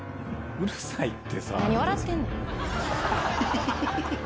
うるさいってさ。